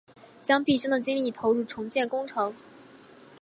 将毕生的精力投入重建工程